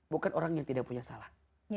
bukan orang yang tidak punya salah